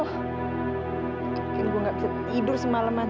mungkin gua ga bisa tidur semaleman